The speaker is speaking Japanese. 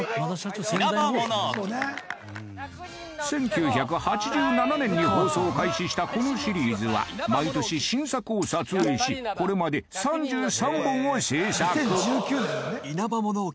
１９８７年に放送を開始したこのシリーズは毎年新作を撮影しこれまで３３本を制作